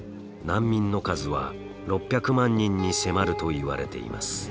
難民の数は６００万人に迫るといわれています。